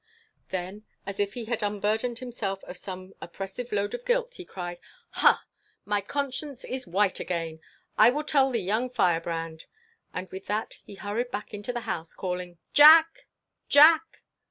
Then, as if he had unburdened himself of some oppressive load of guilt, he cried, "Hah! My conscience is white again! I will tell the young fire brand!" And with that he hurried back into the house, calling, "Jack! Jack!"